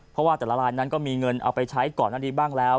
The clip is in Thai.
เพราะว่าแต่ละลายนั้นก็มีเงินเอาไปใช้ก่อนอันนี้บ้างแล้ว